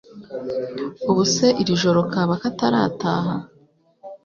ubwo se iri joro kaba katarataha